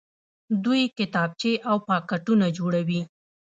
دوی کتابچې او پاکټونه جوړوي.